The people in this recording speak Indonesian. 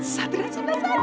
satria sudah sadar